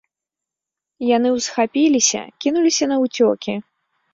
Яны ўсхапіліся, кінуліся наўцёкі.